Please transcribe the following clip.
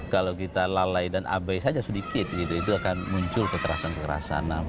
kalau kita lalai dan abai saja sedikit gitu itu akan muncul kekerasan kekerasan